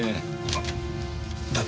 あっ！